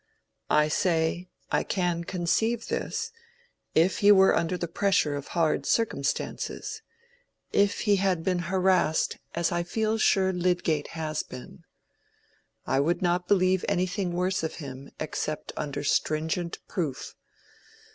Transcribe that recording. I say, I can conceive this, if he were under the pressure of hard circumstances—if he had been harassed as I feel sure Lydgate has been. I would not believe anything worse of him except under stringent proof.